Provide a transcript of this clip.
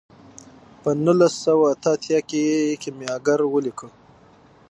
په نولس سوه اته اتیا کې یې کیمیاګر ولیکه.